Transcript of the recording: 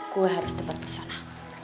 gue harus tebar ke sana